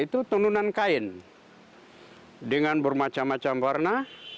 itu adalah penurunan kain dengan bermacam macam warna